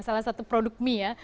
salah satu produk mie ya